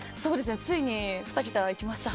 ついに２桁いきました。